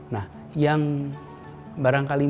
nah yang barang kalimah